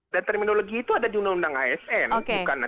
dan terminologi itu ada di undang undang asn